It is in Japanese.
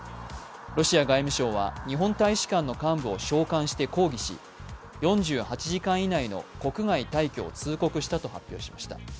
ロシア外務省は、日本大使館の幹部を召喚して抗議し、４８時間以内の国外退去を通告したと発表しました。